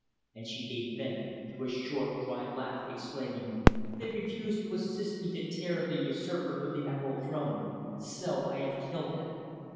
And she gave vent to a short, dry laugh, exclaiming: "They refused to assist me to tear the usurper from the Emerald Throne, so I have killed them.